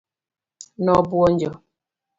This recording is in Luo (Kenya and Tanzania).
nobwonjo